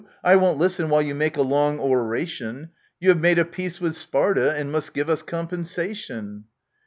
I won't listen while you make a long oration ; You have made a peace with Sparta, and must give us compen sation